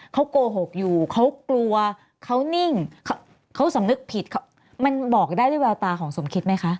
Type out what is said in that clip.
เขาโกหกอยู่เขากลัวเขานิ่งเขาสำนึกผิดมันบอกได้ด้วยแววตาของสมคิดไหมคะ